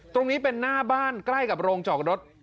ตรงนี้เป็นหน้าบ้านใกล้กับโรงจอดรถ